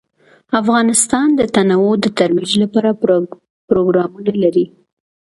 افغانستان د تنوع د ترویج لپاره پروګرامونه لري.